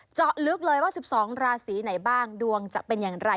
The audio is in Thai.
เจาะลึกเลยว่า๑๒ราศีไหนบ้างดวงจะเป็นอย่างไร